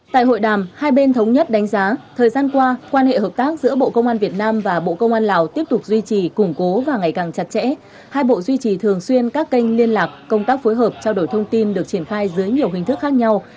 tại hội đàm hai bên thống nhất đánh giá thời gian qua quan hệ hợp tác giữa bộ công an việt nam và bộ công an lào tiếp tục duy trì củng cố và ngày càng chặt chẽ hai bộ duy trì thường xuyên các kênh liên lạc công tác phối hợp trao đổi thông tin được triển khai dưới nhiều hình thức khác nhau